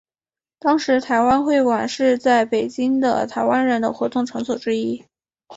当时台湾会馆是在北京的台湾人的活动场所之一。